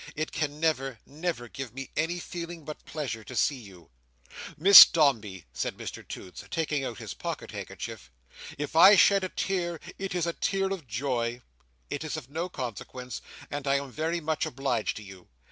It can never, never, give me any feeling but pleasure to see you. "Miss Dombey," said Mr Toots, taking out his pocket handkerchief, "if I shed a tear, it is a tear of joy. It is of no consequence, and I am very much obliged to you.